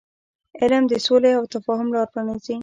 علم د سولې او تفاهم لار پرانیزي.